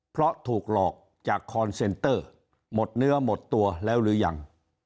เพราะถูกหลอกจากคอนเซนเตอร์หมดเนื้อหมดตัวแล้วหรือยัง